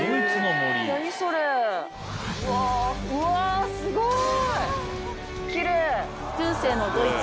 うわうわすごい！